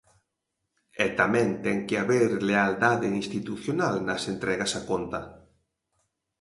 E tamén ten que haber lealdade institucional nas entregas a conta.